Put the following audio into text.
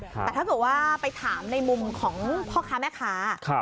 แต่ถ้าเกิดว่าไปถามในมุมของพ่อค้าแม่ค้า